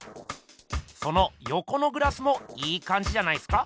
そのよこのグラスもいいかんじじゃないっすか？